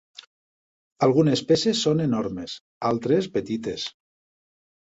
Algunes peces són enormes, altres petites.